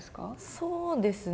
そうですね。